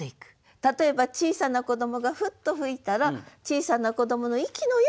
例えば小さな子どもがフッと吹いたら小さな子どもの息のようなかたちになる。